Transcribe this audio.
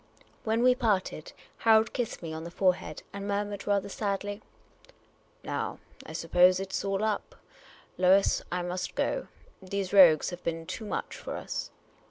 When we parted, Harold kissed me on the forehead, and murmured rather sadly, " Now, I suppose it 's all up. Lois, I must go. These rogues have been too much for us."